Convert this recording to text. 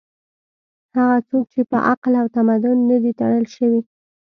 هغه څوک چې په عقل او تمدن نه دي تړل شوي